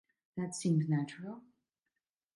That seems natural.